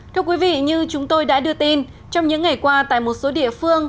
thưa quý vị như chúng tôi đã đưa tin trong những ngày qua tại một số địa phương